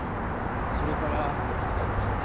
それからもう一つありました